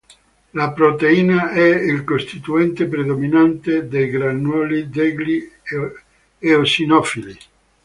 La proteina è il costituente predominante dei granuli degli eosinofili.